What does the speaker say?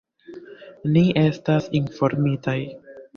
Ni estas informitaj.